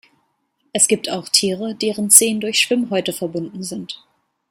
Es gibt auch Tiere, deren Zehen durch Schwimmhäute verbunden sind.